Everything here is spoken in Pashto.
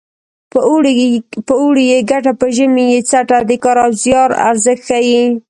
په اوړي یې ګټه په ژمي یې څټه د کار او زیار ارزښت ښيي